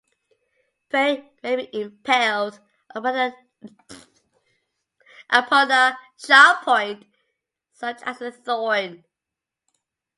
Prey may be impaled upon a sharp point, such as a thorn.